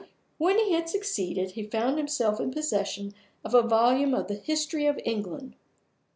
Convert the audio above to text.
When he had succeeded, he found himself in possession of a volume of the History of England.